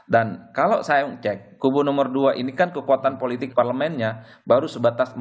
dan kalau saya cek kubu nomor dua ini kan kekuatan politik parlemennya baru sebatas empat puluh dua